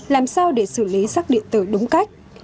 làm sao để xử lý sắc điện tử đúng cách